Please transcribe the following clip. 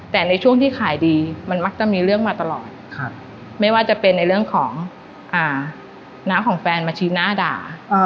แต่ในช่วงที่ขายดีมันมักจะมีเรื่องมาตลอดไม่ว่าจะเป็นในเรื่องของน้าของแฟนมาชี้หน้าด่า